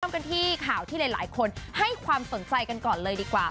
กันที่ข่าวที่หลายคนให้ความสนใจกันก่อนเลยดีกว่า